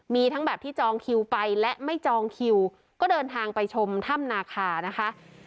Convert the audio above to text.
มีทั้งแบบที่จองคิวไปและไม่จองคิวก็เดินทางไปชมถ้ำนาคานะคะ